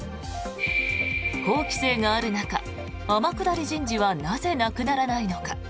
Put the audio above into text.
法規制がある中、天下り人事はなぜなくならないのか。